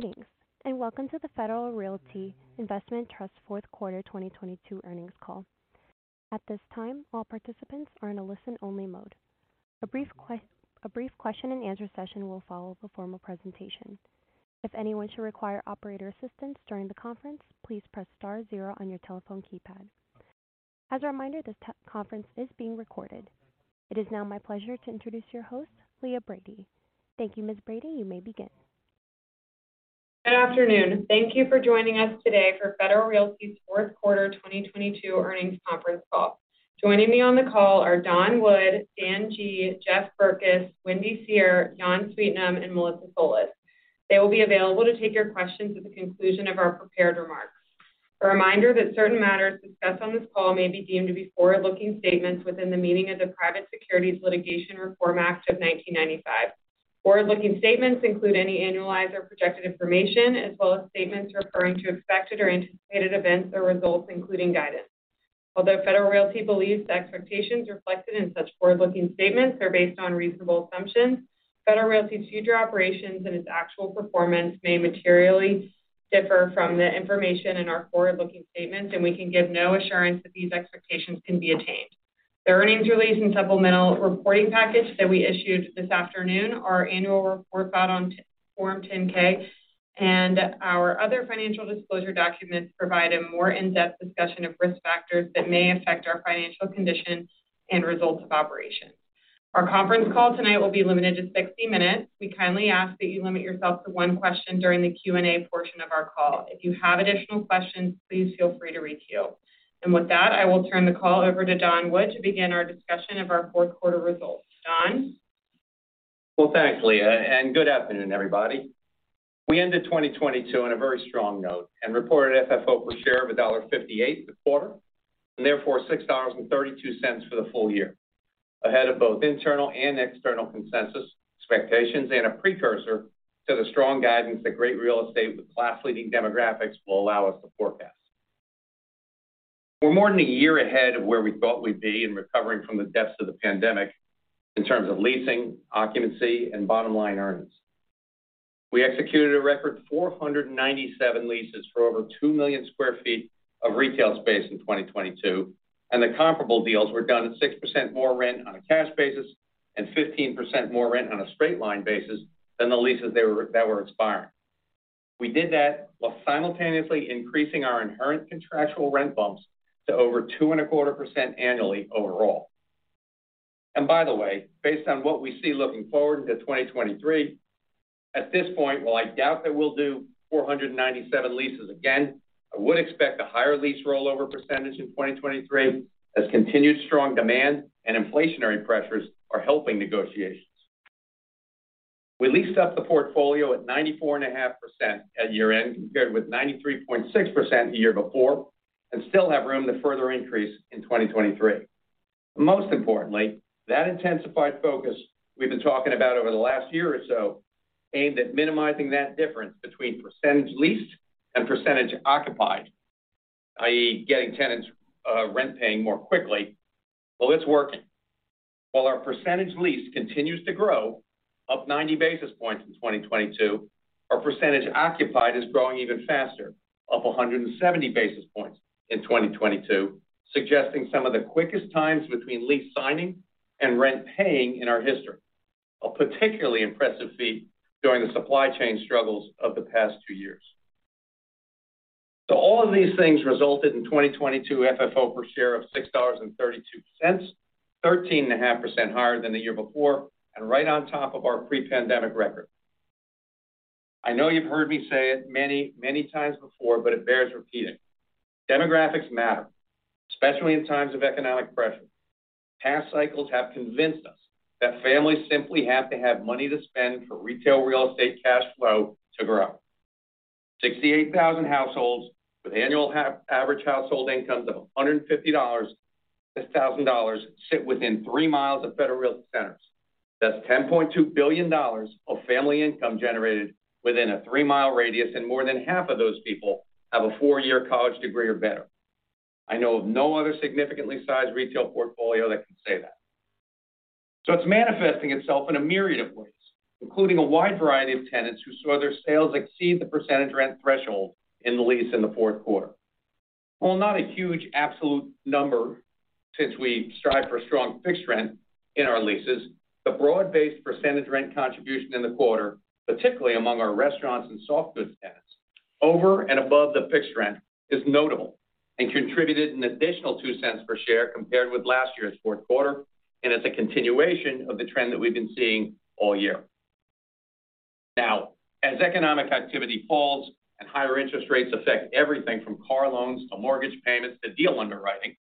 Greetings, welcome to the Federal Realty Investment Trust fourth quarter 2022 earnings call. At this time, all participants are in a listen only mode. A brief question and answer session will follow the formal presentation. If anyone should require operator assistance during the conference, please press star zero on your telephone keypad. As a reminder, this conference is being recorded. It is now my pleasure to introduce your host, Leah Brady. Thank you, Ms. Brady. You may begin. Good afternoon. Thank you for joining us today for Federal Realty's fourth quarter 2022 earnings conference call. Joining me on the call are Don Wood, Dan G., Jeff Berkes, Wendy Seher, Jan Sweetnam, and Melissa Solis. They will be available to take your questions at the conclusion of our prepared remarks. A reminder that certain matters discussed on this call may be deemed to be forward-looking statements within the meaning of the Private Securities Litigation Reform Act of 1995. Forward-looking statements include any annualized or projected information, as well as statements referring to expected or anticipated events or results, including guidance. Although Federal Realty believes the expectations reflected in such forward-looking statements are based on reasonable assumptions, Federal Realty's future operations and its actual performance may materially differ from the information in our forward-looking statements, and we can give no assurance that these expectations can be attained. The earnings release and supplemental reporting package that we issued this afternoon, our annual report filed on Form 10-K, and our other financial disclosure documents provide a more in-depth discussion of risk factors that may affect our financial condition and results of operations. Our conference call tonight will be limited to 60 minutes. We kindly ask that you limit yourself to one question during the Q&A portion of our call. If you have additional questions, please feel free to reach out. With that, I will turn the call over to Don Wood to begin our discussion of our fourth quarter results. Don? Well, thanks, Leah. Good afternoon, everybody. We ended 2022 on a very strong note and reported FFO per share of $1.58 the quarter, and therefore $6.32 for the full year. Ahead of both internal and external consensus expectations and a precursor to the strong guidance that great real estate with class leading demographics will allow us to forecast. We're more than a year ahead of where we thought we'd be in recovering from the depths of the pandemic in terms of leasing, occupancy, and bottom line earnings. We executed a record 497 leases for over 2 million sq ft of retail space in 2022, and the comparable deals were done at 6% more rent on a cash basis and 15% more rent on a straight-line basis than the leases that were expiring. We did that while simultaneously increasing our inherent contractual rent bumps to over 2.25% annually overall. By the way, based on what we see looking forward into 2023, at this point, while I doubt that we'll do 497 leases again, I would expect a higher lease rollover percentage in 2023 as continued strong demand and inflationary pressures are helping negotiations. We leased up the portfolio at 94.5% at year-end, compared with 93.6% the year before, and still have room to further increase in 2023. Most importantly, that intensified focus we've been talking about over the last year or so aimed at minimizing that difference between percentage leased and percentage occupied, i.e., getting tenants rent paying more quickly. It's working. While our percentage leased continues to grow, up 90 basis points in 2022, our percentage occupied is growing even faster, up 170 basis points in 2022, suggesting some of the quickest times between lease signing and rent paying in our history. A particularly impressive feat during the supply chain struggles of the past two years. All of these things resulted in 2022 FFO per share of $6.32, 13.5% higher than the year before, and right on top of our pre-pandemic record. I know you've heard me say it many, many times before, but it bears repeating. Demographics matter, especially in times of economic pressure. Past cycles have convinced us that families simply have to have money to spend for retail real estate cash flow to grow. 68,000 households with annual average household incomes of $150-$1,000 sit within 3 mi of Federal Realty centers. That's $10.2 billion of family income generated within a 3-mi radius, and more than half of those people have a four-year college degree or better. I know of no other significantly sized retail portfolio that can say that. It's manifesting itself in a myriad of ways, including a wide variety of tenants who saw their sales exceed the percentage rent threshold in the lease in the fourth quarter. While not a huge absolute number, since we strive for strong fixed rent in our leases, the broad-based percentage rent contribution in the quarter, particularly among our restaurants and soft goods tenants, over and above the fixed rent, is notable and contributed an additional $0.02 per share compared with last year's fourth quarter. It's a continuation of the trend that we've been seeing all year. As economic activity falls and higher interest rates affect everything from car loans to mortgage payments to deal underwriting,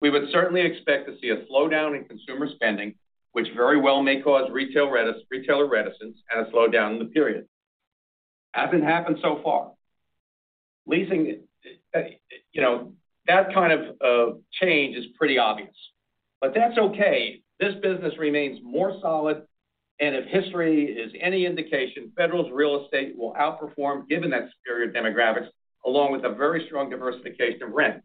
we would certainly expect to see a slowdown in consumer spending, which very well may cause retailer reticence and a slowdown in the period. Hasn't happened so far. Leasing, you know, that kind of change is pretty obvious, but that's okay. This business remains more solid. If history is any indication, Federal's real estate will outperform, given that superior demographics, along with a very strong diversification of rent.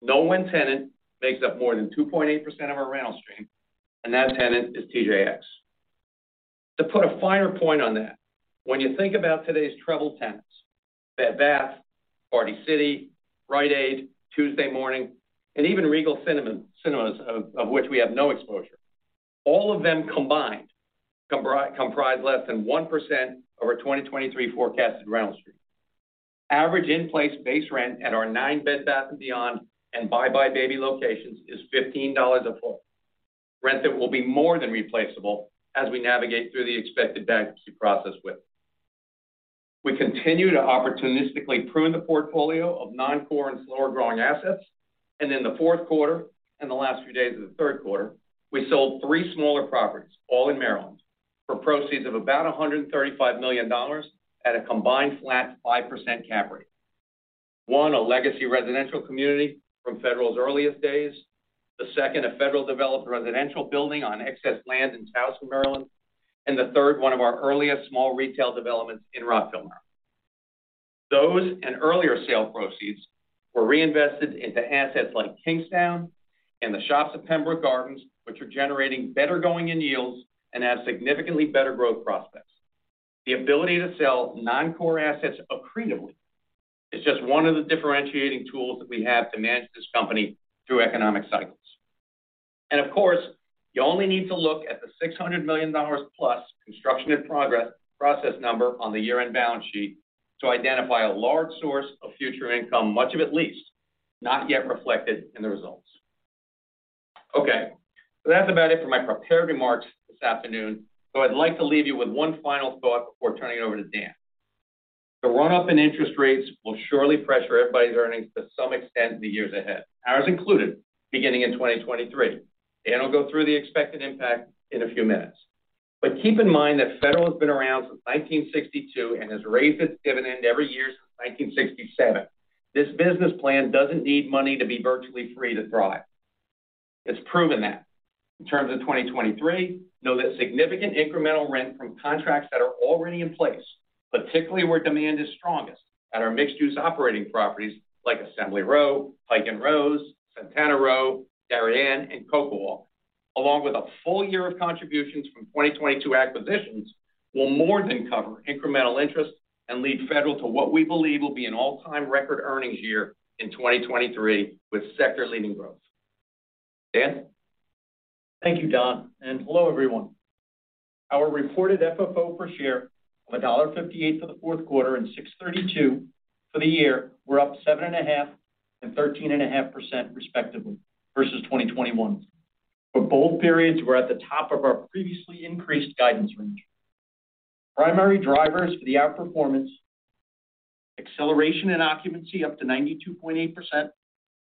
No one tenant makes up more than 2.8% of our rental stream. That tenant is TJX. To put a finer point on that, when you think about today's troubled tenants, Bed Bath, Party City, Rite Aid, Tuesday Morning, and even Regal Cinemas, of which we have no exposure, all of them combined comprise less than 1% of our 2023 forecasted ground stream. Average in-place base rent at our nine Bed Bath & Beyond and buybuy BABY locations is $15 a foot. Rent that will be more than replaceable as we navigate through the expected bankruptcy process with. We continue to opportunistically prune the portfolio of non-core and slower growing assets. In the fourth quarter and the last few days of the third quarter, we sold three smaller properties, all in Maryland, for proceeds of about $135 million at a combined flat 5% cap rate. One, a legacy residential community from Federal's earliest days. The second, a Federal-developed residential building on excess land in Towson, Maryland. The third, one of our earliest small retail developments in Rockville, Maryland. Those and earlier sale proceeds were reinvested into assets like Kingstowne and the Shops at Pembroke Gardens, which are generating better going-in yields and have significantly better growth prospects. The ability to sell non-core assets accretively is just one of the differentiating tools that we have to manage this company through economic cycles. Of course, you only need to look at the $600 million plus construction and progress-- process number on the year-end balance sheet to identify a large source of future income, much of it leased, not yet reflected in the results. That's about it for my prepared remarks this afternoon. I'd like to leave you with one final thought before turning it over to Dan. The run-up in interest rates will surely pressure everybody's earnings to some extent in the years ahead, ours included, beginning in 2023. Dan will go through the expected impact in a few minutes. Keep in mind that Federal has been around since 1962 and has raised its dividend every year since 1967. This business plan doesn't need money to be virtually free to thrive. It's proven that. In terms of 2023, know that significant incremental rent from contracts that are already in place, particularly where demand is strongest at our mixed-use operating properties like Assembly Row, Pike & Rose, Santana Row, Darien, and CocoWalk, along with a full year of contributions from 2022 acquisitions, will more than cover incremental interest and lead Federal to what we believe will be an all-time record earnings year in 2023 with sector-leading growth. Dan? Thank you, Don. Hello, everyone. Our reported FFO per share of $1.58 for the fourth quarter and $6.32 for the year were up 7.5% and 13.5%, respectively, versus 2021. For both periods, we're at the top of our previously increased guidance range. Primary drivers for the outperformance, acceleration in occupancy up to 92.8%,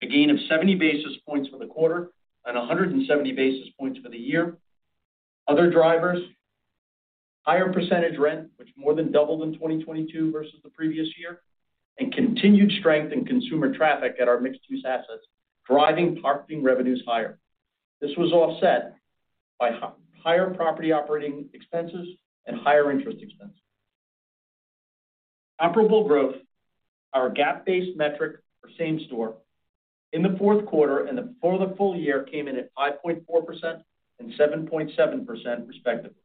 a gain of 70 basis points for the quarter and 170 basis points for the year. Other drivers, higher percentage rent, which more than doubled in 2022 versus the previous year, continued strength in consumer traffic at our mixed-use assets, driving parking revenues higher. This was offset by higher property operating expenses and higher interest expense. Comparable growth, our GAAP-based metric for same-store, in the fourth quarter and for the full year came in at 5.4% and 7.7%, respectively.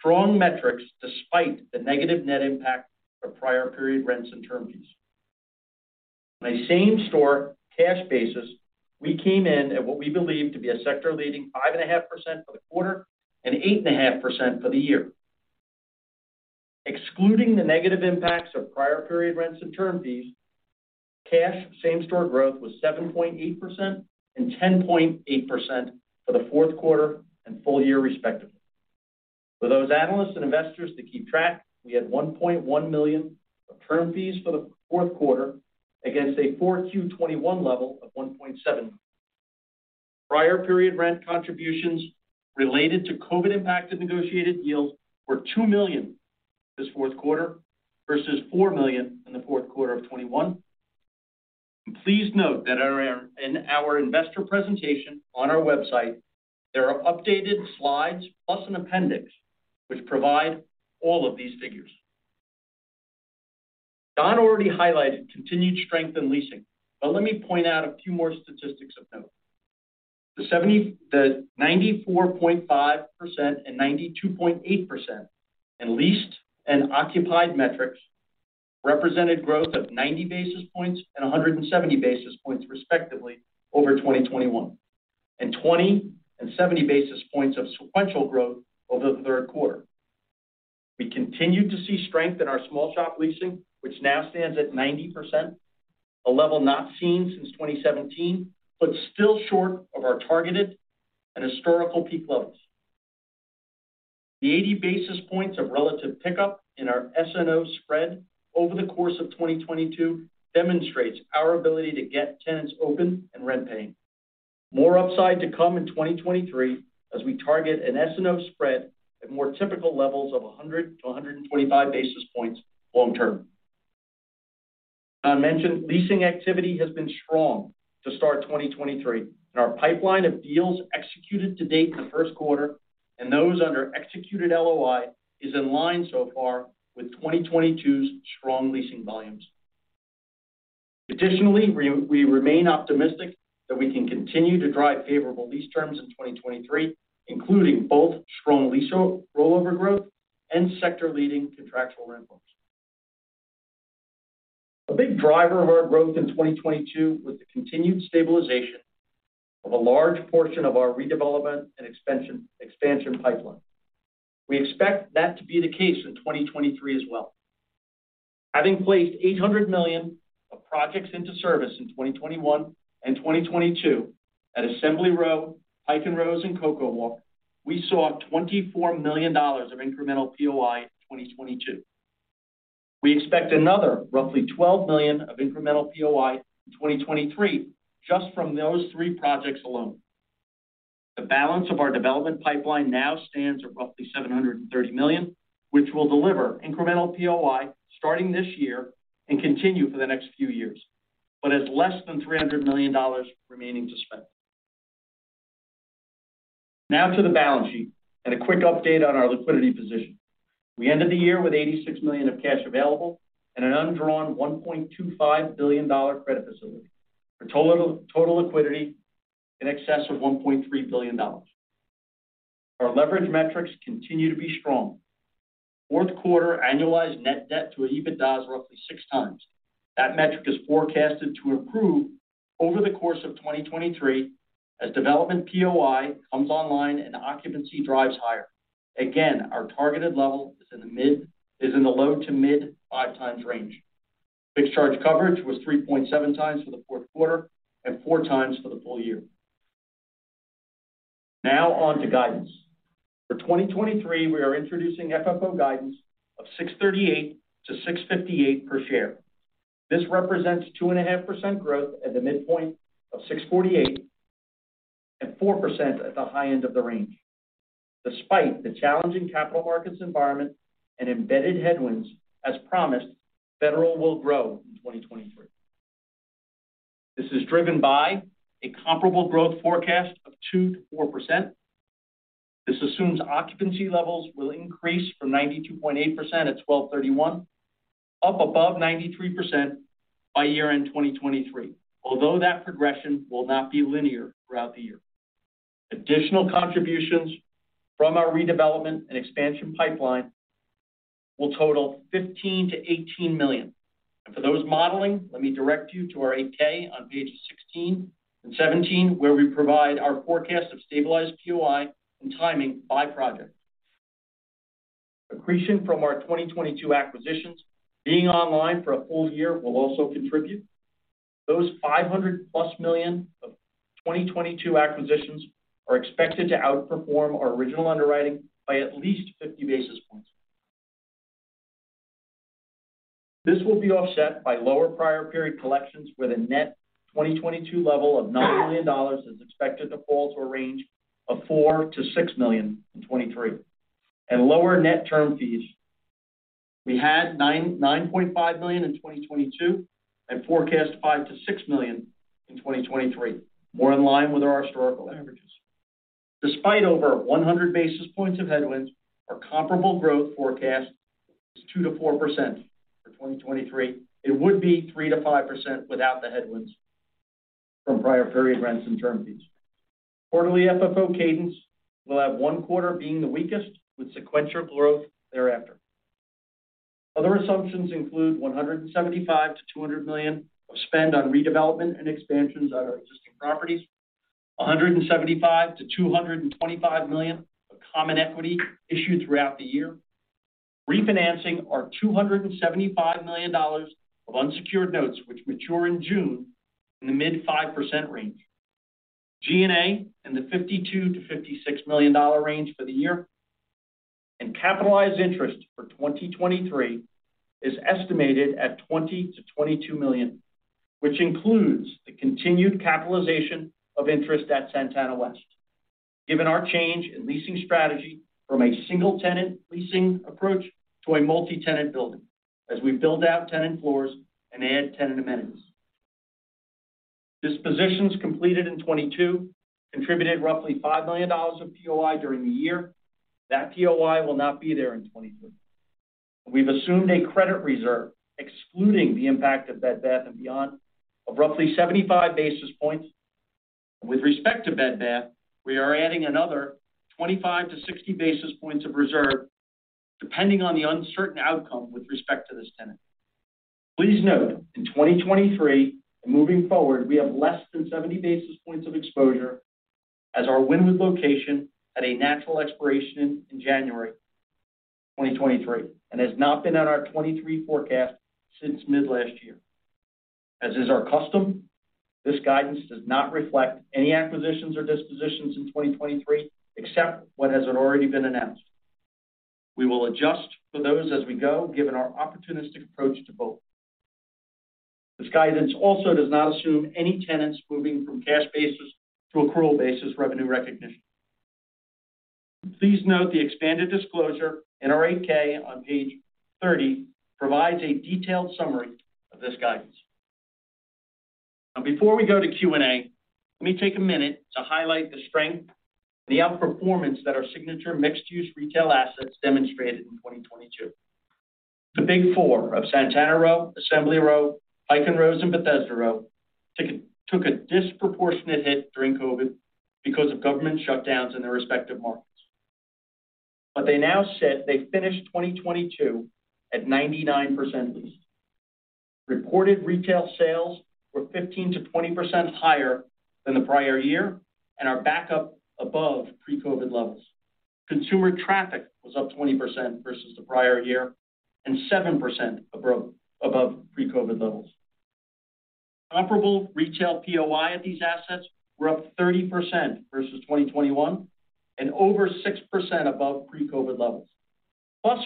Strong metrics despite the negative net impact of prior period rents and term fees. On a same-store cash basis, we came in at what we believe to be a sector-leading 5.5% for the quarter and 8.5% for the year. Excluding the negative impacts of prior period rents and term fees, cash same-store growth was 7.8% and 10.8% for the fourth quarter and full year, respectively. For those analysts and investors that keep track, we had $1.1 million of term fees for the fourth quarter against a 4Q 2021 level of $1.7 million. Prior period rent contributions related to COVID impacted negotiated yields were $2 million this fourth quarter versus $4 million in the fourth quarter of 2021. Please note that in our investor presentation on our website, there are updated slides plus an appendix which provide all of these figures. Don already highlighted continued strength in leasing, let me point out a few more statistics of note. The 94.5% and 92.8% in leased and occupied metrics represented growth of 90 basis points and 170 basis points, respectively, over 2021. 20 and 70 basis points of sequential growth over the third quarter. We continued to see strength in our small shop leasing, which now stands at 90%, a level not seen since 2017, still short of our targeted and historical peak levels. The 80 basis points of relative pickup in our SNO spread over the course of 2022 demonstrates our ability to get tenants open and rent paying. More upside to come in 2023 as we target an SNO spread at more typical levels of 100 to 125 basis points long term. Don mentioned leasing activity has been strong to start 2023, and our pipeline of deals executed to date in the first quarter and those under executed LOI is in line so far with 2022's strong leasing volumes. Additionally, we remain optimistic that we can continue to drive favorable lease terms in 2023, including both strong rollover growth and sector-leading contractual rent bumps. A big driver of our growth in 2022 was the continued stabilization of a large portion of our redevelopment and expansion pipeline. We expect that to be the case in 2023 as well. Having placed $800 million of projects into service in 2021 and 2022 at Assembly Row, Pike & Rose, and CocoWalk, we saw $24 million of incremental POI in 2022. We expect another roughly $12 million of incremental POI in 2023 just from those three projects alone. The balance of our development pipeline now stands at roughly $730 million, which will deliver incremental POI starting this year and continue for the next few years, but has less than $300 million remaining to spend. Now to the balance sheet and a quick update on our liquidity position. We ended the year with $86 million of cash available and an undrawn $1.25 billion credit facility for total liquidity in excess of $1.3 billion. Our leverage metrics continue to be strong. Fourth quarter annualized net debt to EBITDA is roughly 6x. That metric is forecasted to improve over the course of 2023 as development POI comes online and occupancy drives higher. Our targeted level is in the low to mid 5x range. Fixed charge coverage was 3.7x for the fourth quarter and 4x for the full year. On to guidance. For 2023, we are introducing FFO guidance of $6.38-$6.58 per share. This represents 2.5% growth at the midpoint of $6.48 and 4% at the high end of the range. Despite the challenging capital markets environment and embedded headwinds, as promised, Federal will grow in 2023. This is driven by a comparable growth forecast of 2%-4%. This assumes occupancy levels will increase from 92.8% at 12/31, up above 93% by year-end 2023, although that progression will not be linear throughout the year. Additional contributions from our redevelopment and expansion pipeline will total $15 million-$18 million. For those modeling, let me direct you to our 8-K on page 16 and 17, where we provide our forecast of stabilized POI and timing by project. Accretion from our 2022 acquisitions being online for a full year will also contribute. Those $500+ million of 2022 acquisitions are expected to outperform our original underwriting by at least 50 basis points. This will be offset by lower prior period collections, where the net 2022 level of $9 million is expected to fall to a range of $4 million-$6 million in 2023. At lower net term fees, we had $9.5 million in 2022 and forecast $5 million-$6 million in 2023, more in line with our historical averages. Despite over 100 basis points of headwinds, our comparable growth forecast is 2%-4% for 2023. It would be 3%-5% without the headwinds from prior period rents and term fees. Quarterly FFO cadence will have one quarter being the weakest, with sequential growth thereafter. Other assumptions include $175 million-$200 million of spend on redevelopment and expansions at our existing properties, $175 million-$225 million of common equity issued throughout the year, refinancing our $275 million of unsecured notes, which mature in June in the mid 5% range. G&A in the $52 million-$56 million range for the year, and capitalized interest for 2023 is estimated at $20 million-$22 million, which includes the continued capitalization of interest at Santana West, given our change in leasing strategy from a single tenant leasing approach to a multi-tenant building as we build out tenant floors and add tenant amenities. Dispositions completed in 2022 contributed roughly $5 million of POI during the year. That POI will not be there in 2023. We've assumed a credit reserve, excluding the impact of Bed Bath & Beyond, of roughly 75 basis points. With respect to Bed Bath, we are adding another 25 to 60 basis points of reserve, depending on the uncertain outcome with respect to this tenant. Please note, in 2023 and moving forward, we have less than 70 basis points of exposure as our Wynwood location had a natural expiration in January 2023 and has not been in our 2023 forecast since mid last year. As is our custom, this guidance does not reflect any acquisitions or dispositions in 2023, except what has already been announced. We will adjust for those as we go, given our opportunistic approach to both. This guidance also does not assume any tenants moving from cash basis to accrual basis revenue recognition. Please note the expanded disclosure in our 8-K on page 30 provides a detailed summary of this guidance. Before we go to Q&A, let me take a minute to highlight the strength and the outperformance that our signature mixed-use retail assets demonstrated in 2022. The big four of Santana Row, Assembly Row, Pike & Rose, and Bethesda Row took a disproportionate hit during COVID because of government shutdowns in their respective markets. They now sit, they finished 2022 at 99% leased. Reported retail sales were 15%-20% higher than the prior year and are back up above pre-COVID levels. Consumer traffic was up 20% versus the prior year and 7% above pre-COVID levels. Comparable retail POI at these assets were up 30% versus 2021 and over 6% above pre-COVID levels.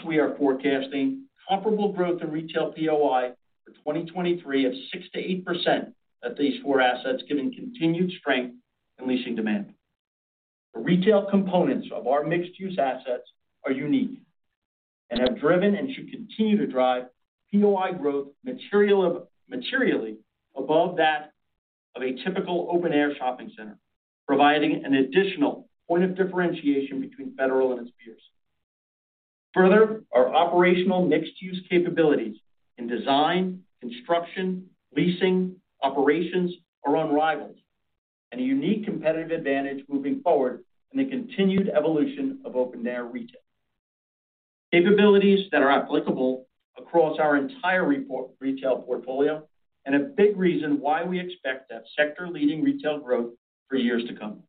We are forecasting comparable growth in retail POI for 2023 of 6%-8% at these four assets, given continued strength in leasing demand. The retail components of our mixed-use assets are unique and have driven and should continue to drive POI growth materially above that of a typical open-air shopping center, providing an additional point of differentiation between Federal and its peers. Our operational mixed-use capabilities in design, construction, leasing, operations are unrivaled, and a unique competitive advantage moving forward in the continued evolution of open-air retail. Capabilities that are applicable across our entire retail portfolio and a big reason why we expect that sector-leading retail growth for years to come.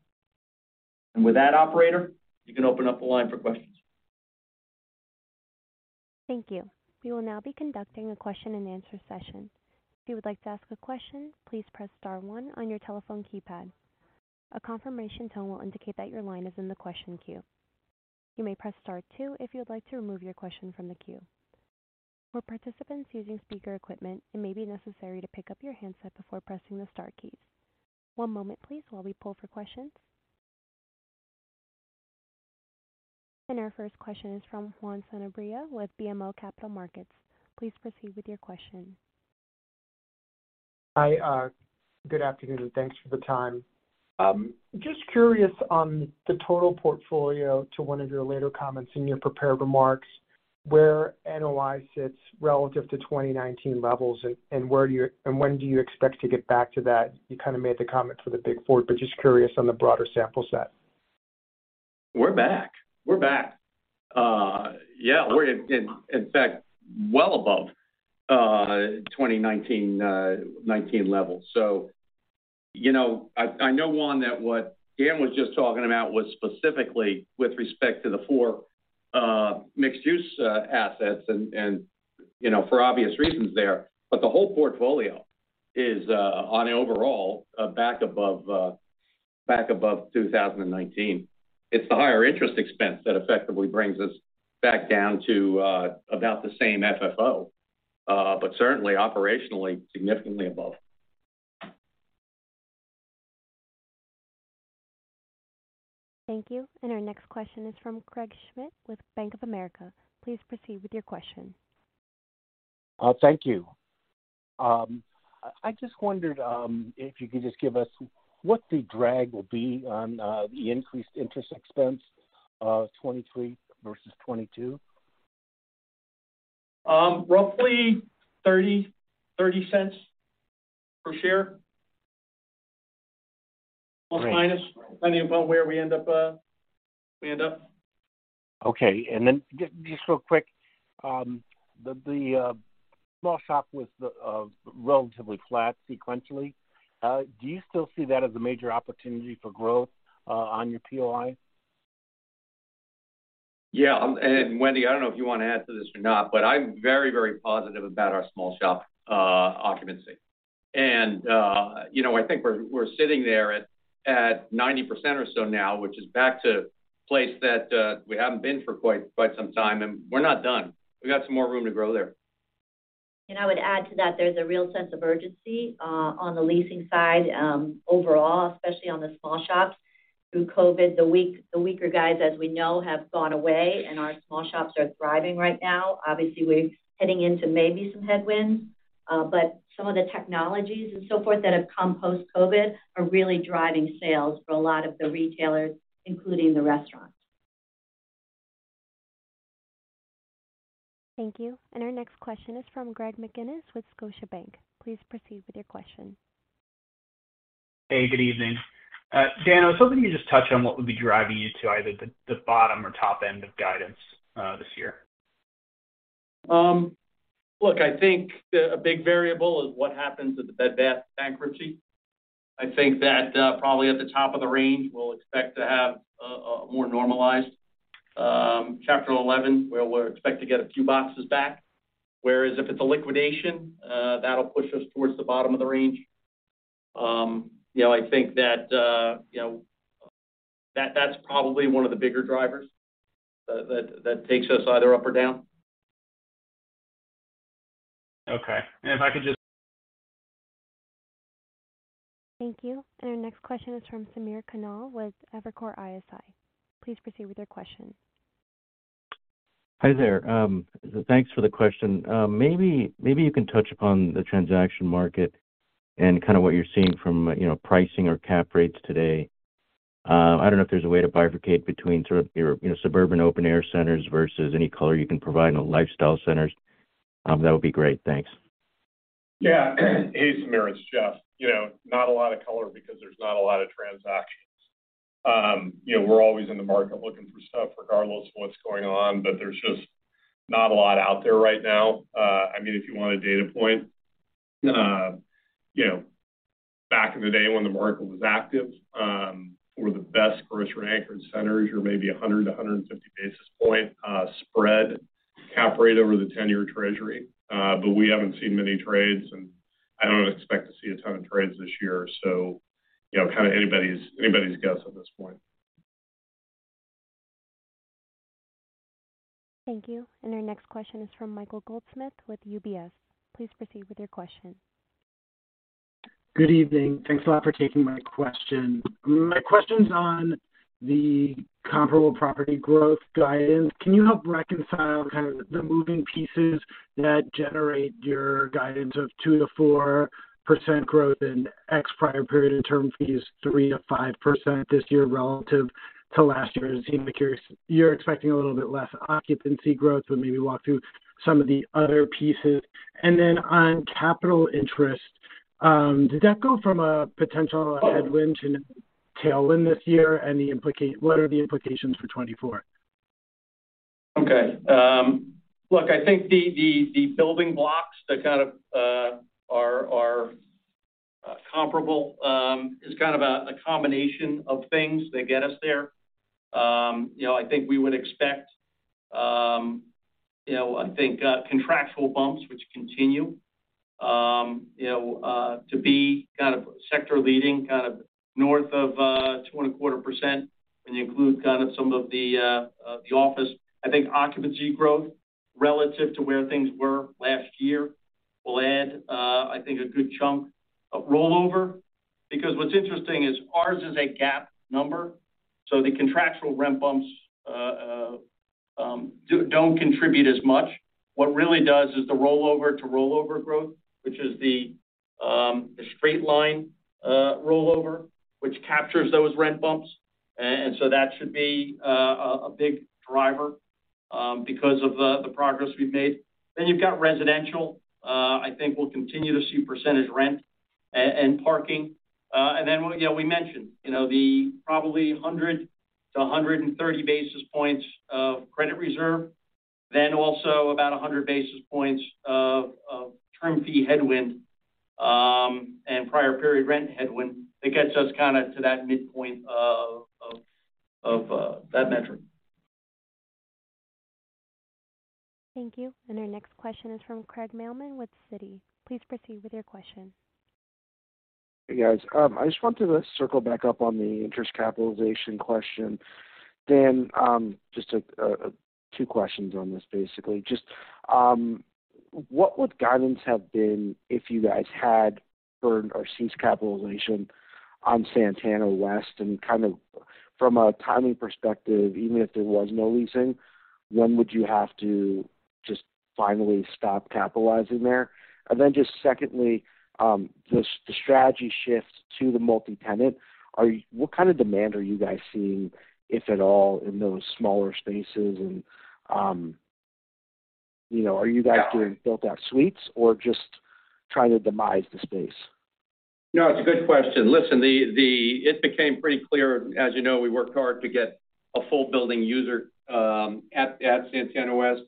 With that, operator, you can open up the line for questions. Thank you. We will now be conducting a question-and-answer session. If you would like to ask a question, please press star one on your telephone keypad. A confirmation tone will indicate that your line is in the question queue. You may press star two if you would like to remove your question from the queue. For participants using speaker equipment, it may be necessary to pick up your handset before pressing the star keys. One moment please while we pull for questions. Our first question is from Juan Sanabria with BMO Capital Markets. Please proceed with your question. Hi, good afternoon, and thanks for the time. Just curious on the total portfolio to one of your later comments in your prepared remarks, where NOI sits relative to 2019 levels and when do you expect to get back to that? You kind of made the comment for the big four, but just curious on the broader sample set. We're back. Yeah, we're in fact, well above 2019 levels. You know, I know, Juan, that what Dan was just talking about was specifically with respect to the four mixed-use assets and, you know, for obvious reasons there. The whole portfolio is on overall back above 2019. It's the higher interest expense that effectively brings us back down to about the same FFO, but certainly operationally significantly above. Thank you. Our next question is from Craig Schmidt with Bank of America. Please proceed with your question. Thank you. I just wondered, if you could just give us what the drag will be on the increased interest expense, 2023 versus 2022? Roughly $0.30 per share. Great. Plus or minus, depending upon where we end up. Okay. Just real quick, the small shop was relatively flat sequentially. Do you still see that as a major opportunity for growth on your POI? Yeah. Wendy, I don't know if you want to add to this or not, but I'm very positive about our small shop occupancy. You know, I think we're sitting there at 90% or so now, which is back to a place that we haven't been for quite some time, and we're not done. We got some more room to grow there. I would add to that there's a real sense of urgency on the leasing side, overall, especially on the small shops. Through COVID, the weaker guys, as we know, have gone away, and our small shops are thriving right now. Obviously, we're heading into maybe some headwinds, but some of the technologies and so forth that have come post-COVID are really driving sales for a lot of the retailers, including the restaurants. Thank you. Our next question is from Greg McGinniss with Scotiabank. Please proceed with your question. Hey, good evening. Dan, I was hoping you could just touch on what would be driving you to either the bottom or top end of guidance this year. Look, I think a big variable is what happens with the Bed Bath bankruptcy. I think that, probably at the top of the range, we'll expect to have a more normalized Chapter 11, where we'll expect to get a few boxes back. Whereas if it's a liquidation, that'll push us towards the bottom of the range. You know, I think that, you know, that's probably one of the bigger drivers that takes us either up or down. Okay. if I could just... Thank you. Our next question is from Samir Khanal with Evercore ISI. Please proceed with your question. Hi there. Thanks for the question. Maybe you can touch upon the transaction market and kind of what you're seeing from, you know, pricing or cap rates today. I don't know if there's a way to bifurcate between sort of your, you know, suburban open-air centers versus any color you can provide in the lifestyle centers. That would be great. Thanks. Yeah. Hey, Samir, it's Jeff. You know, not a lot of color because there's not a lot of transactions. You know, we're always in the market looking for stuff regardless of what's going on, but there's just not a lot out there right now. I mean, if you want a data point, you know, back in the day when the market was active, for the best grocery anchored centers or maybe 100 to 150 basis point spread cap rate over the 10-year treasury. We haven't seen many trades, and I don't expect to see a ton of trades this year. You know, kind of anybody's guess at this point. Thank you. Our next question is from Michael Goldsmith with UBS. Please proceed with your question. Good evening. Thanks a lot for taking my question. My question's on the comparable property growth guidance. Can you help reconcile kind of the moving pieces that generate your guidance of 2%-4% growth in X prior period in term fees, 3%-5% this year relative to last year's? Seemed like you're expecting a little bit less occupancy growth. Maybe walk through some of the other pieces. Then on capital interest, did that go from a potential headwind to tailwind this year? What are the implications for 2024? Look, I think the building blocks that kind of are comparable is kind of a combination of things that get us there. You know, I think we would expect, you know, I think contractual bumps which continue, you know, to be kind of sector leading, kind of north of 2.25%, and includes kind of some of the office. I think occupancy growth relative to where things were last year will add, I think, a good chunk of rollover because what's interesting is ours is a GAAP number, so the contractual rent bumps don't contribute as much. What really does is the rollover to rollover growth, which is the straight line rollover, which captures those rent bumps. So that should be a big driver, because of the progress we've made. You've got residential. I think we'll continue to see percentage rent and parking. Then, you know, we mentioned, the probably 100-130 basis points of credit reserve, then also about 100 basis points of term fee headwind, and prior period rent headwind that gets us kinda to that midpoint of that metric. Thank you. Our next question is from Craig Mailman with Citi. Please proceed with your question. Hey, guys. I just wanted to circle back up on the interest capitalization question. Just two questions on this, basically. What would guidance have been if you guys had burned or ceased capitalization on Santana West? Kind of from a timing perspective, even if there was no leasing, when would you have to just finally stop capitalizing there? Just secondly, the strategy shifts to the multi-tenant. What kind of demand are you guys seeing, if at all, in those smaller spaces? You know, are you guys doing built out suites or just trying to demise the space? It's a good question. It became pretty clear, as you know, we worked hard to get a full building user at Santana West.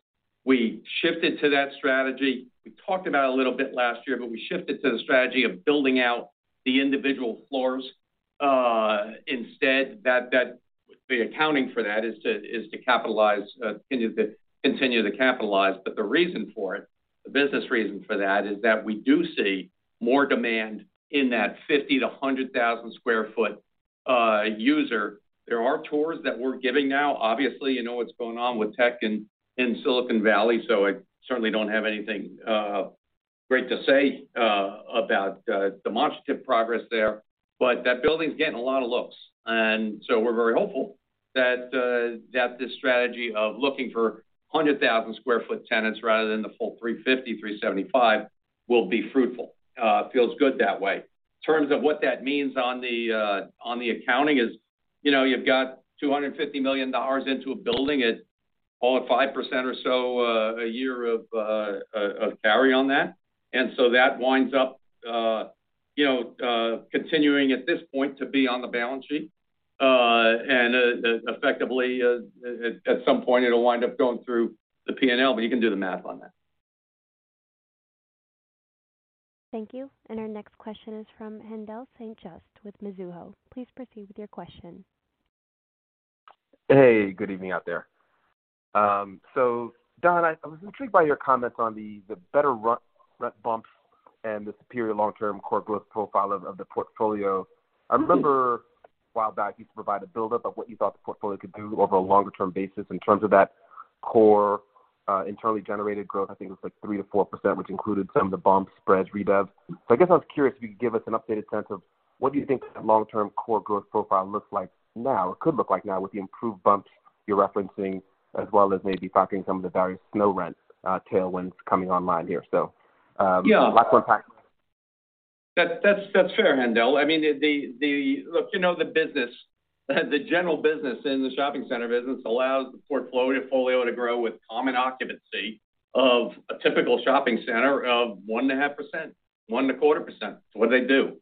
We shifted to that strategy. We talked about a little bit last year. We shifted to the strategy of building out the individual floors instead. The accounting for that is to capitalize, continue to capitalize. The reason for it, the business reason for that is that we do see more demand in that 50,000-100,000 sq ft user. There are tours that we're giving now. Obviously, you know what's going on with tech in Silicon Valley. I certainly don't have anything great to say about demonstrative progress there. That building's getting a lot of looks. We're very hopeful that this strategy of looking for 100,000 sq ft tenants rather than the full 350, 375 will be fruitful. It feels good that way. In terms of what that means on the accounting is, you know, you've got $250 million into a building at call it 5% or so, a year of carry on that. That winds up, you know, continuing at this point to be on the balance sheet, and effectively, at some point it'll wind up going through the P&L, but you can do the math on that. Thank you. Our next question is from Haendel St. Juste with Mizuho. Please proceed with your question. Hey, good evening out there. Don, I was intrigued by your comments on the better rent bumps and the superior long-term core growth profile of the portfolio. I remember a while back you provided a buildup of what you thought the portfolio could do over a longer term basis in terms of that core. Internally generated growth, I think it was like 3%-4%, which included some of the bumps, spreads, redev. I guess I was curious if you could give us an updated sense of what do you think the long-term core growth profile looks like now or could look like now with the improved bumps you're referencing, as well as maybe factoring some of the various no rent tailwinds coming online here? Yeah. That's fair, Haendel. I mean, look, you know, the general business in the shopping center business allows the portfolio to grow with common occupancy of a typical shopping center of 1.5%, 1.25%. It's what they do.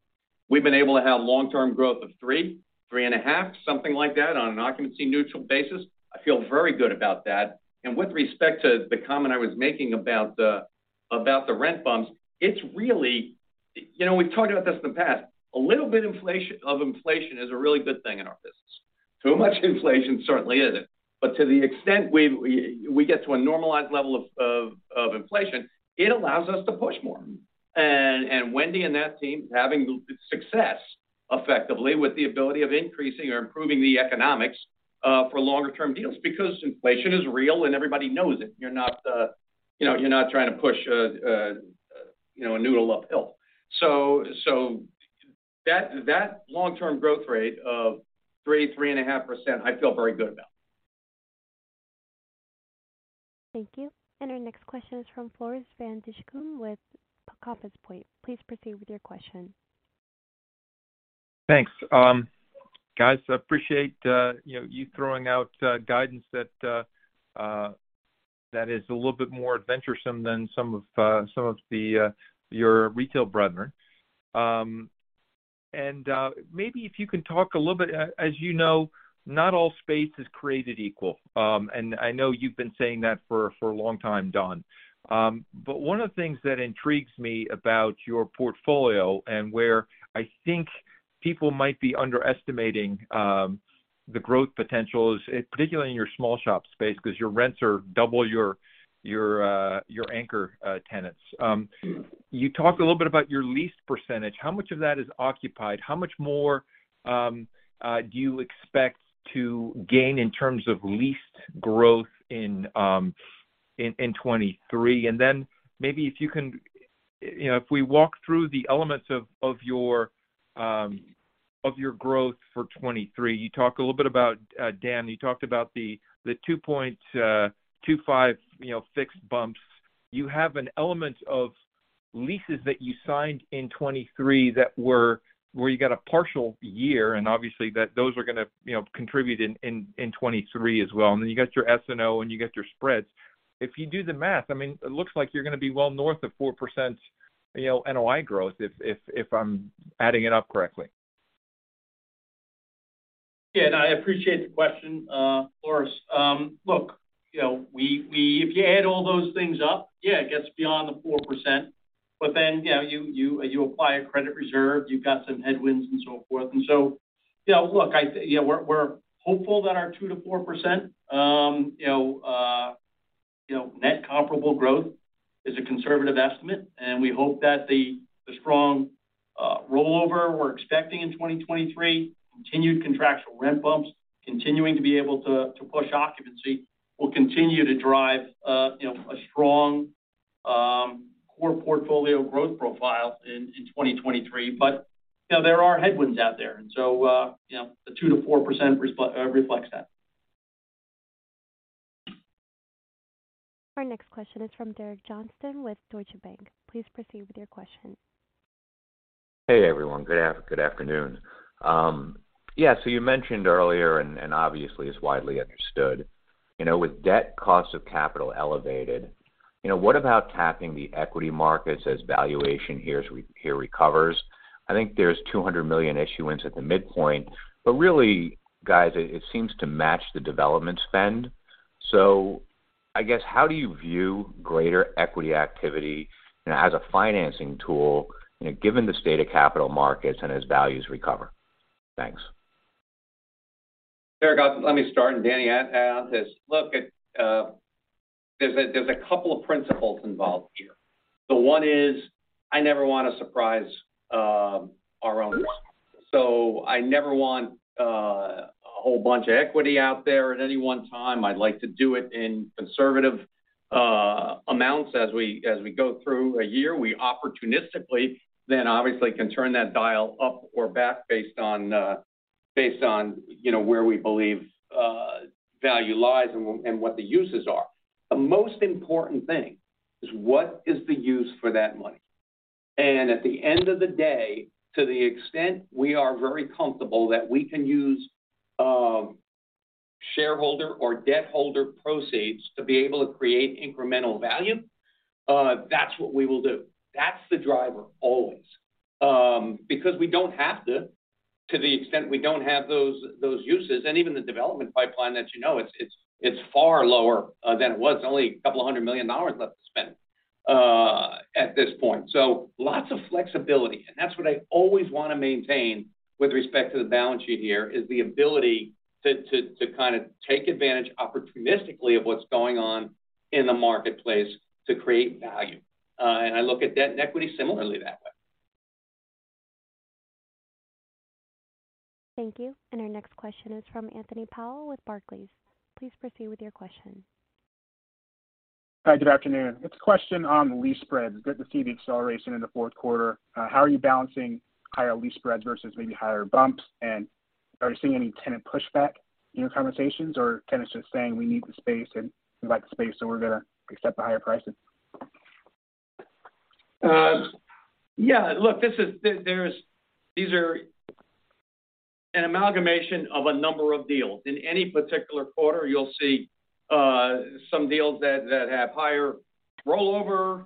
We've been able to have long-term growth of 3%, 3.5%, something like that on an occupancy neutral basis. I feel very good about that. With respect to the comment I was making about the rent bumps, it's really. You know, we've talked about this in the past. A little bit of inflation is a really good thing in our business. Too much inflation certainly isn't. To the extent we get to a normalized level of inflation, it allows us to push more. Wendy and that team is having success effectively with the ability of increasing or improving the economics for longer term deals because inflation is real, and everybody knows it. You're not, you know, you're not trying to push, you know, a noodle uphill. That long-term growth rate of 3.5%, I feel very good about. Thank you. Our next question is from Floris van Dijkum with Compass Point. Please proceed with your question. Thanks, guys, I appreciate, you know, you throwing out guidance that is a little bit more adventuresome than some of the your retail brethren. Maybe if you can talk a little bit. As you know, not all space is created equal. I know you've been saying that for a long time, Don. One of the things that intrigues me about your portfolio and where I think people might be underestimating, the growth potential is, particularly in your small shop space, 'cause your rents are double your your anchor tenants. You talked a little bit about your lease percentage. How much of that is occupied? How much more do you expect to gain in terms of leased growth in 2023? Maybe if you can, you know, if we walk through the elements of your growth for 2023. You talked a little bit about, Dan, you talked about the 2.25%, you know, fixed bumps. You have an element of leases that you signed in 2023 that were, where you got a partial year, and obviously that those are gonna, you know, contribute in 2023 as well. You got your SNO and you got your spreads. If you do the math, I mean, it looks like you're gonna be well north of 4%, you know, NOI growth if I'm adding it up correctly. Yeah, I appreciate the question, Floris. Look, you know, if you add all those things up, yeah, it gets beyond the 4%. You know, you, you apply a credit reserve, you've got some headwinds and so forth. Yeah, look, you know, we're hopeful that our 2%-4% net comparable growth is a conservative estimate, and we hope that the strong rollover we're expecting in 2023, continued contractual rent bumps, continuing to be able to push occupancy, will continue to drive, you know, a strong core portfolio growth profile in 2023. You know, there are headwinds out there. You know, the 2%-4% reflects that. Our next question is from Derek Johnston with Deutsche Bank. Please proceed with your question. Hey, everyone. Good afternoon. You mentioned earlier and obviously it's widely understood, you know, with debt costs of capital elevated, you know, what about tapping the equity markets as valuation here recovers? I think there's $200 million issuance at the midpoint. Really, guys, it seems to match the development spend. I guess, how do you view greater equity activity, you know, as a financing tool, you know, given the state of capital markets and as values recover? Thanks. Derek, let me start, Dan add this. Look, there's a couple of principles involved here. The one is, I never wanna surprise our owners. I never want a whole bunch of equity out there at any one time. I'd like to do it in conservative amounts. As we go through a year, we opportunistically then obviously can turn that dial up or back based on, based on, you know, where we believe value lies and what the uses are. The most important thing is what is the use for that money. At the end of the day, to the extent we are very comfortable that we can use shareholder or debt holder proceeds to be able to create incremental value, that's what we will do. That's the driver always. Because we don't have to the extent we don't have those uses, and even the development pipeline that you know, it's, it's far lower than it was. Only a couple of $100 million left to spend at this point. Lots of flexibility, and that's what I always wanna maintain with respect to the balance sheet here, is the ability to, to kinda take advantage opportunistically of what's going on in the marketplace to create value. I look at debt and equity similarly that way. Thank you. Our next question is from Anthony Powell with Barclays. Please proceed with your question. Hi, good afternoon. It's a question on lease spreads. Good to see the acceleration in the fourth quarter. How are you balancing higher lease spreads versus maybe higher bumps? Are you seeing any tenant pushback in your conversations, or tenants just saying, "We need the space, and we like the space, so we're gonna accept the higher prices." Yeah, look, these are an amalgamation of a number of deals. In any particular quarter, you'll see some deals that have higher rollover.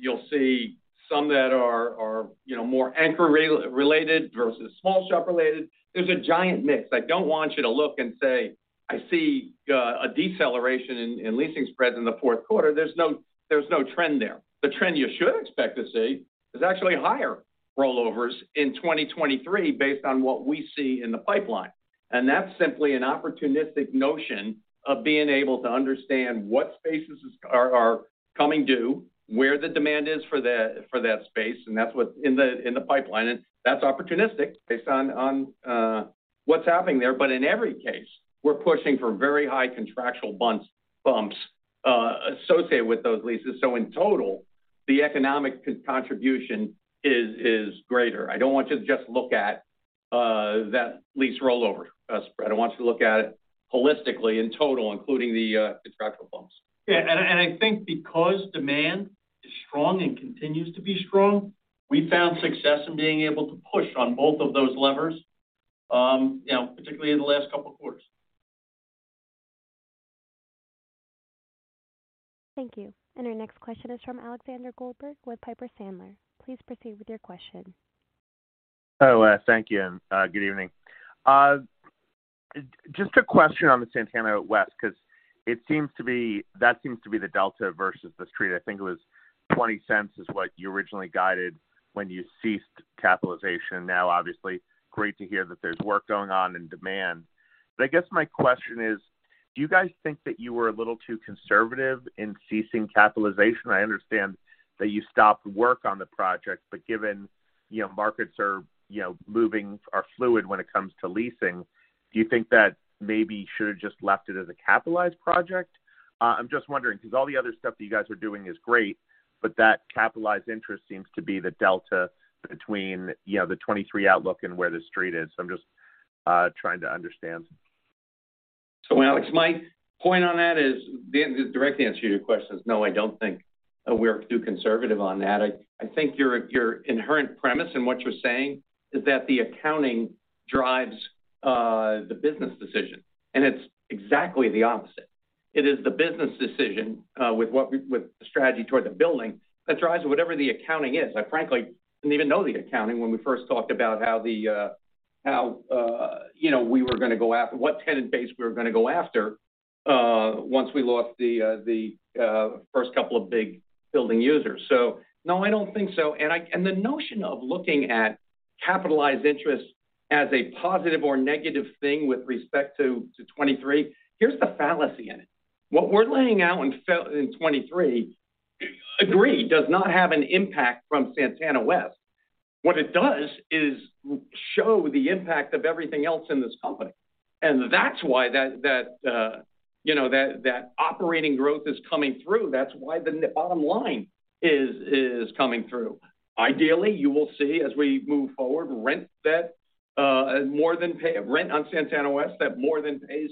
You'll see some that are, you know, more anchor related versus small shop related. There's a giant mix. I don't want you to look and say, "I see a deceleration in leasing spreads in the fourth quarter." There's no, there's no trend there. The trend you should expect to see is actually higher rollovers in 2023 based on what we see in the pipeline. That's simply an opportunistic notion of being able to understand what spaces are coming due, where the demand is for that space, and that's what's in the pipeline, and that's opportunistic based on what's happening there. In every case, we're pushing for very high contractual bumps, associated with those leases. In total, the economic contribution is greater. I don't want you to just look at that lease rollover spread. I want you to look at it holistically in total, including the contractual bumps. Yeah, I think because demand is strong and continues to be strong, we found success in being able to push on both of those levers, you know, particularly in the last couple of quarters. Thank you. Our next question is from Alexander Goldfarb with Piper Sandler. Please proceed with your question. Thank you, and good evening. Just a question on the Santana West, 'cause that seems to be the delta versus the street. I think it was $0.20 is what you originally guided when you ceased capitalization. Now, obviously, great to hear that there's work going on and demand. I guess my question is: do you guys think that you were a little too conservative in ceasing capitalization? I understand that you stopped work on the project, but given, you know, markets are, you know, moving are fluid when it comes to leasing, do you think that maybe should have just left it as a capitalized project? I'm just wondering, because all the other stuff that you guys are doing is great, but that capitalized interest seems to be the delta between, you know, the 2023 outlook and where the street is. I'm just trying to understand. Alex, my point on that is. Dan, the direct answer to your question is no, I don't think we're too conservative on that. I think your inherent premise in what you're saying is that the accounting drives the business decision, and it's exactly the opposite. It is the business decision with the strategy toward the building that drives whatever the accounting is. I frankly didn't even know the accounting when we first talked about how, you know, we were gonna go after what tenant base we were gonna go after once we lost the first couple of big building users. No, I don't think so. I and the notion of looking at capitalized interest as a positive or negative thing with respect to 2023, here's the fallacy in it. What we're laying out in 2023, agreed, does not have an impact from Santana West. What it does is show the impact of everything else in this company. That's why that, you know, that operating growth is coming through. That's why the bottom line is coming through. Ideally, you will see as we move forward, rent on Santana West that more than pays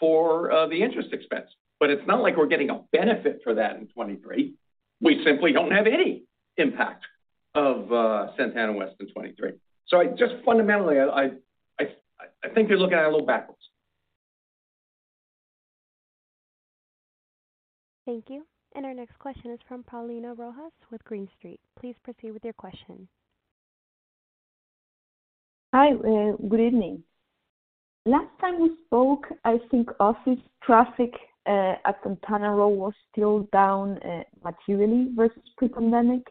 for the interest expense. It's not like we're getting a benefit for that in 2023. We simply don't have any impact of Santana West in 2023. I just fundamentally, I think you're looking at it a little backwards. Thank you. Our next question is from Paulina Rojas with Green Street. Please proceed with your question. Hi, good evening. Last time we spoke, I think office traffic at Santana Row was still down materially versus pre-pandemic.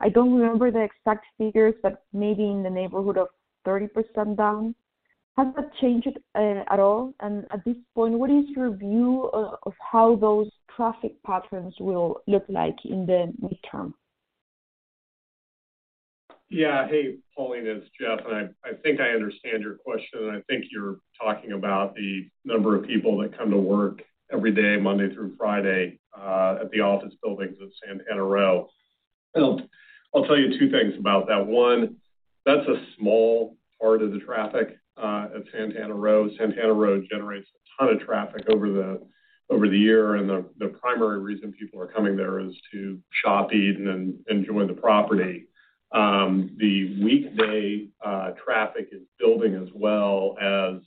I don't remember the exact figures, but maybe in the neighborhood of 30% down. Has that changed at all? At this point, what is your view of how those traffic patterns will look like in the midterm? Hey, Paulina, it's Jeff, I think I understand your question, I think you're talking about the number of people that come to work every day, Monday through Friday, at the office buildings at Santana Row. I'll tell you two things about that. One, that's a small part of the traffic, at Santana Row. Santana Row generates a ton of traffic over the year, the primary reason people are coming there is to shop, eat, and enjoy the property. The weekday traffic is building as well as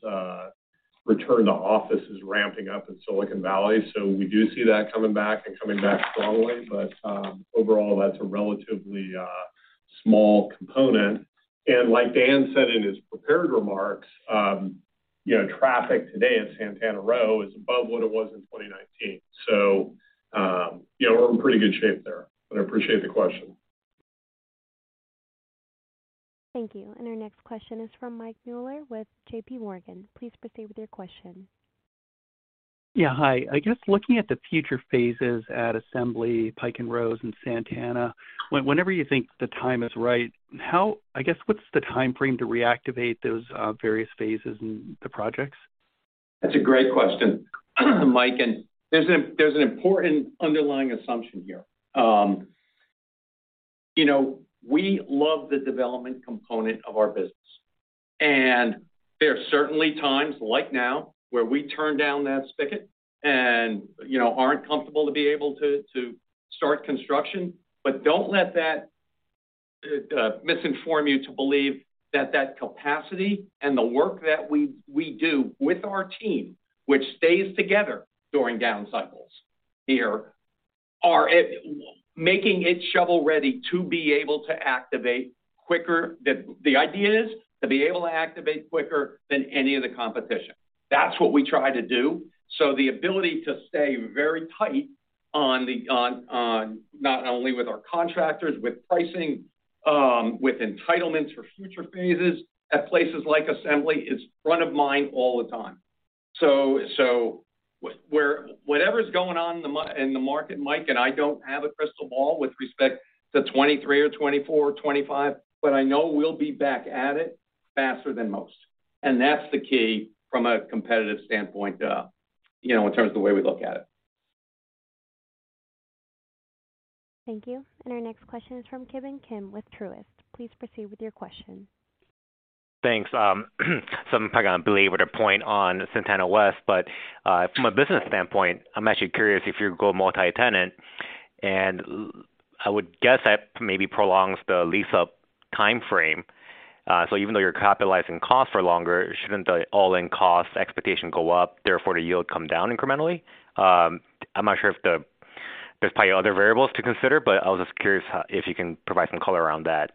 return to office is ramping up in Silicon Valley. We do see that coming back and coming back strongly. Overall, that's a relatively small component. Like Dan said in his prepared remarks, you know, traffic today at Santana Row is above what it was in 2019. You know, we're in pretty good shape there, but I appreciate the question. Thank you. Our next question is from Mike Mueller with JPMorgan. Please proceed with your question. Hi. I guess looking at the future phases at Assembly, Pike & Rose, and Santana, whenever you think the time is right, I guess, what's the timeframe to reactivate those, various phases in the projects? That's a great question, Mike. There's an important underlying assumption here. You know, we love the development component of our business. There are certainly times like now where we turn down that spigot and, you know, aren't comfortable to be able to start construction. Don't let that misinform you to believe that that capacity and the work that we do with our team, which stays together during down cycles here, are making it shovel-ready. The idea is to be able to activate quicker than any of the competition. That's what we try to do. The ability to stay very tight on the not only with our contractors, with pricing, with entitlements for future phases at places like Assembly is front of mind all the time. Whatever's going on in the market, Mike, and I don't have a crystal ball with respect to 2023 or 2024 or 2025, but I know we'll be back at it faster than most. That's the key from a competitive standpoint, you know, in terms of the way we look at it. Thank you. Our next question is from Ki Bin Kim with Truist. Please proceed with your question. Thanks. I'm probably gonna be able to point on Santana West, but, from a business standpoint, I'm actually curious if you go multi-tenant, and I would guess that maybe prolongs the lease-up timeframe. Even though you're capitalizing costs for longer, shouldn't the all-in cost expectation go up, therefore, the yield come down incrementally? I'm not sure if there's probably other variables to consider, but I was just curious if you can provide some color around that.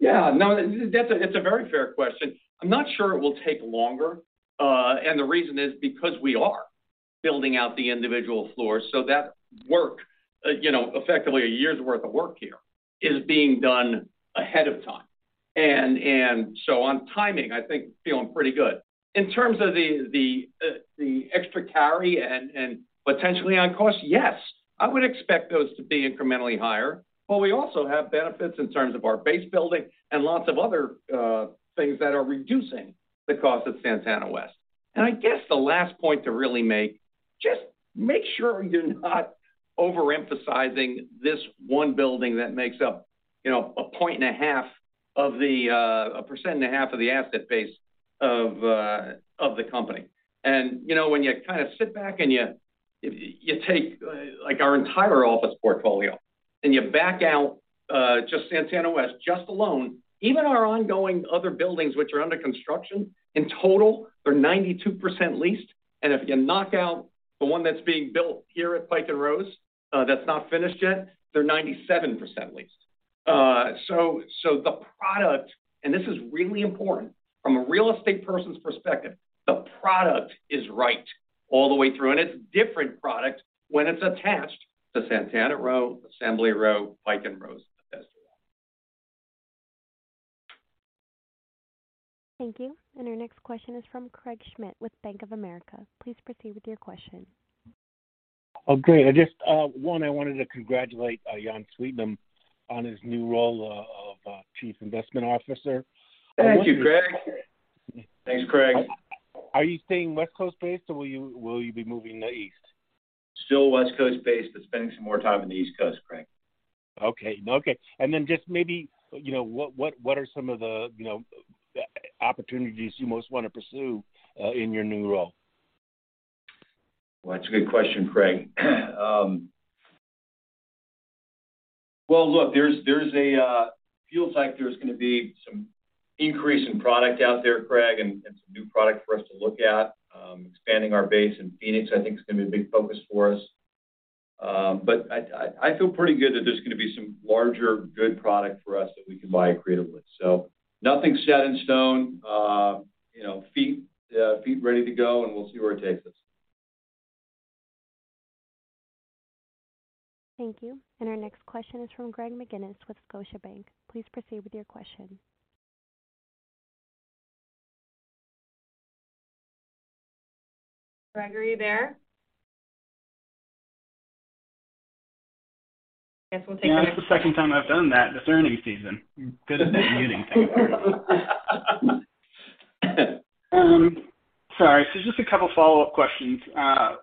Yeah. No, that's a very fair question. I'm not sure it will take longer. The reason is because we are building out the individual floors, so that work, you know, effectively a year's worth of work here is being done ahead of time. On timing, I think feeling pretty good. In terms of the extra carry and potentially on cost, yes, I would expect those to be incrementally higher. We also have benefits in terms of our base building and lots of other things that are reducing the cost of Santana West. I guess the last point to really make, just make sure you're not overemphasizing this one building that makes up, you know, a point and a half of the 1.5% of the asset base of the company. You know, when you kind of sit back and you take, like, our entire office portfolio and you back out, just Santana West, just alone, even our ongoing other buildings which are under construction, in total, they're 92% leased. If you knock out the one that's being built here at Pike & Rose, that's not finished yet, they're 97% leased. The product, and this is really important from a real estate person's perspective, the product is right all the way through, and it's different product when it's attached to Santana Row, Assembly Row, Pike & Rose, et cetera. Thank you. Our next question is from Craig Schmidt with Bank of America. Please proceed with your question. Oh, great. I just, one, I wanted to congratulate Jan Sweetnam on his new role of chief investment officer. Thank you, Craig. Thanks, Craig. Are you staying West Coast based, or will you be moving east? Still West Coast based, but spending some more time in the East Coast, Craig. Okay. Okay. Then just maybe, you know, what are some of the, you know, opportunities you most want to pursue in your new role? That's a good question, Craig. Look, there's a feels like there's gonna be some increase in product out there, Craig, and some new product for us to look at. Expanding our base in Phoenix, I think, is gonna be a big focus for us. I, I feel pretty good that there's gonna be some larger, good product for us that we can buy creatively. Nothing set in stone, you know, feet ready to go, and we'll see where it takes us. Thank you. Our next question is from Greg McGinniss with Scotiabank. Please proceed with your question. Greg, are you there? Guess we'll take the next... Yeah. That's the second time I've done that this earning season. Good at muting. Thank you. Sorry. Just a couple follow-up questions.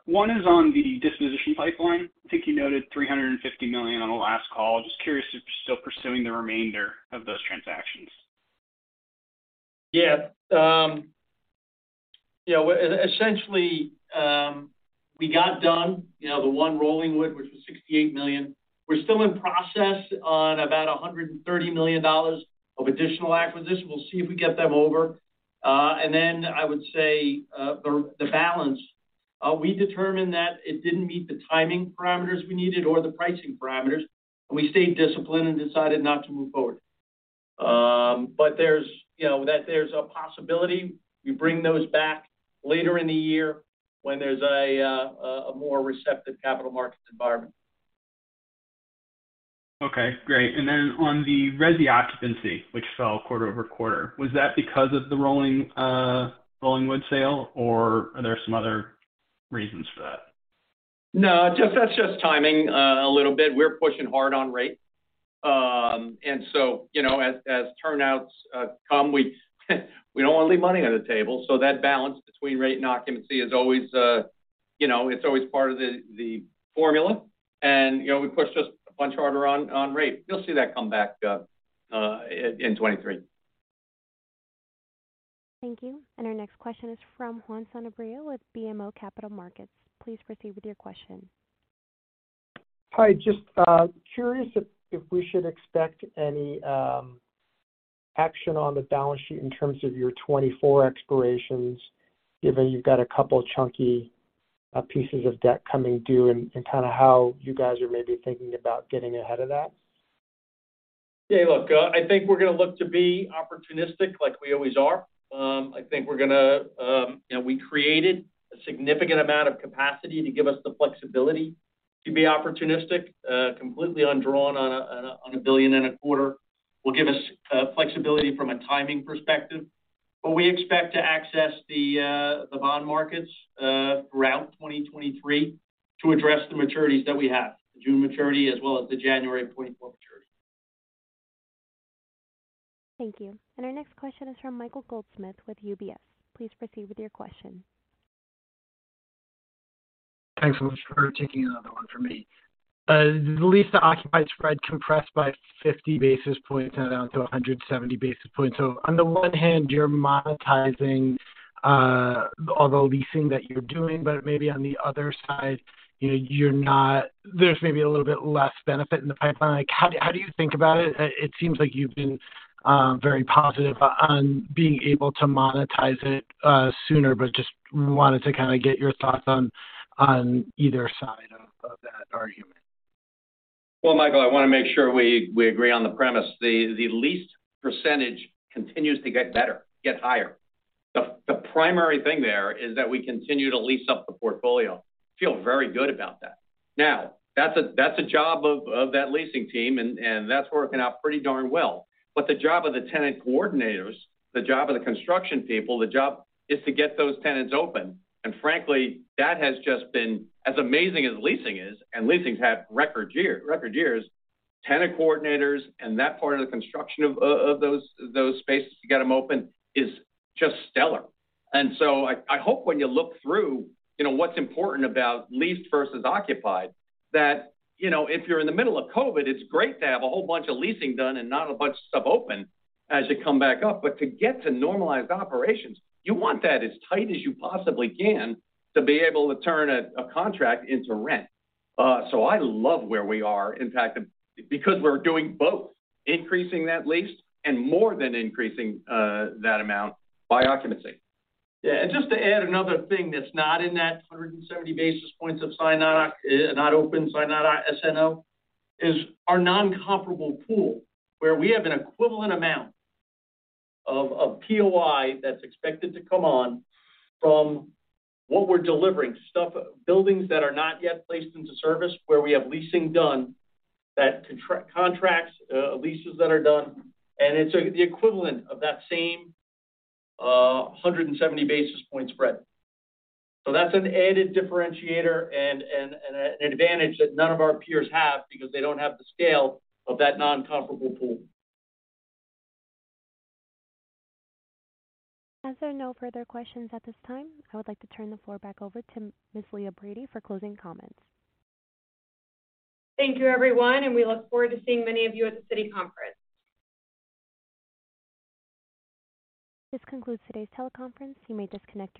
One is on the disposition pipeline. I think you noted $350 million on the last call. Just curious if you're still pursuing the remainder of those transactions. Yeah. You know, essentially, we got done, you know, the one Rollingwood, which was $68 million. We're still in process on about $130 million of additional acquisitions. We'll see if we get them over. I would say, the balance, we determined that it didn't meet the timing parameters we needed or the pricing parameters, and we stayed disciplined and decided not to move forward. There's, you know, that there's a possibility we bring those back later in the year when there's a more receptive capital markets environment. Okay, great. On the resi occupancy, which fell quarter-over-quarter, was that because of the Rollingwood sale, or are there some other reasons for that? That's just timing, a little bit. We're pushing hard on rate. You know, as turnouts come, we don't wanna leave money on the table. That balance between rate and occupancy is always, you know, it's always part of the formula. You know, we pushed just a bunch harder on rate. You'll see that come back in 2023. Thank you. Our next question is from Juan Sanabria with BMO Capital Markets. Please proceed with your question. Hi. Just curious if we should expect any action on the balance sheet in terms of your 2024 expirations, given you've got a couple chunky pieces of debt coming due, and kinda how you guys are maybe thinking about getting ahead of that? Yeah, look, I think we're gonna look to be opportunistic like we always are. I think we're gonna, you know, we created a significant amount of capacity to give us the flexibility to be opportunistic, completely undrawn on a billion and a quarter, will give us flexibility from a timing perspective. We expect to access the bond markets throughout 2023 to address the maturities that we have. The June maturity as well as the January of 2024 maturity. Thank you. Our next question is from Michael Goldsmith with UBS. Please proceed with your question. Thanks so much for taking another one from me. The leased to occupied spread compressed by 50 basis points, now down to 170 basis points. On the one hand, you're monetizing all the leasing that you're doing, but maybe on the other side, you know, there's maybe a little bit less benefit in the pipeline. Like, how do you think about it? It seems like you've been very positive on being able to monetize it sooner, but just wanted to kinda get your thoughts on either side of that argument. Well, Michael, I want to make sure we agree on the premise. The leased percentage continues to get better, get higher. The primary thing there is that we continue to lease up the portfolio. Feel very good about that. Now, that's a job of that leasing team, and that's working out pretty darn well. The job of the tenant coordinators, the job of the construction people, the job is to get those tenants open. Frankly, that has just been as amazing as leasing is, and leasing's had record year, record years. Tenant coordinators and that part of the construction of those spaces to get them open is just stellar. I hope when you look through, you know, what's important about leased versus occupied, that, you know, if you're in the middle of COVID, it's great to have a whole bunch of leasing done and not a bunch of stuff open as you come back up. But to get to normalized operations, you want that as tight as you possibly can to be able to turn a contract into rent. I love where we are, in fact, because we're doing both, increasing that lease and more than increasing that amount by occupancy. Just to add another thing that's not in that 170 basis points of signed on not opened, signed on SNO, is our non-comparable pool where we have an equivalent amount of POI that's expected to come on from what we're delivering. Stuff, buildings that are not yet placed into service, where we have leasing done that contracts, leases that are done, and it's the equivalent of that same, 170 basis point spread. That's an added differentiator and an advantage that none of our peers have because they don't have the scale of that non-comparable pool. As there are no further questions at this time, I would like to turn the floor back over to Ms. Leah Brady for closing comments. Thank you, everyone, and we look forward to seeing many of you at the Citi conference. This concludes today's teleconference. You may disconnect your lines.